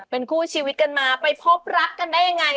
เป็นคู่ชีวิตกันมาไปพบรักกันได้ยังไง